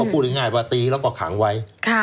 พูดง่ายว่าตีแล้วก็ขังไว้